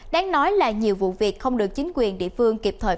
đáng nói là nhiều vụ việc không được chính quyền địa phương kịp thời